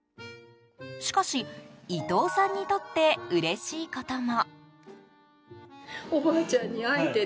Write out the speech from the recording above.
しかし、伊藤さんにとってうれしいことも。